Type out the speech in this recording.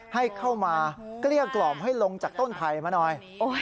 ให้เข้ามาเกลี้ยกล่อมให้ลงจากต้นไผ่มาหน่อย